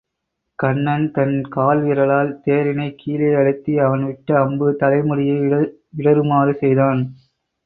கண்ணன் தன் கால் விரலால் தேரினைக் கீழே அழுத்தி அவன் விட்ட அம்பு தலை முடியை இடறுமாறு செய்தான்.